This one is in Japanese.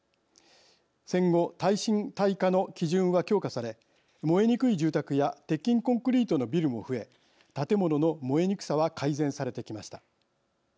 戦後、耐震・耐火の基準は強化され燃えにくい住宅や鉄筋コンクリートのビルも増え建物の燃えにくさは改善されてきました。